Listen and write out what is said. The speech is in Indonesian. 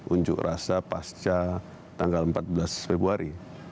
unjuk rasa pasca tanggal empat belas februari